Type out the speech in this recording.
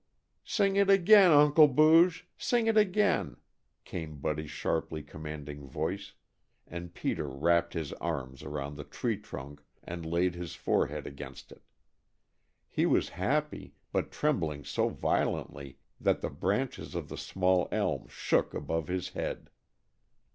"Sing it again, Uncle Booge! Sing it again!" came Buddy's sharply commanding voice, and Peter wrapped his arms around the tree trunk, and laid his forehead against it. He was happy, but trembling so violently that the branches of the small elm shook above his head.